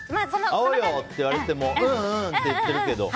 会おうよって言われてもうんうんって言ってるけど。